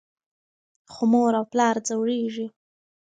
خو مور او پلار ځورېږي.